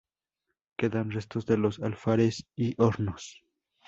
Quedan restos de los alfares y hornos.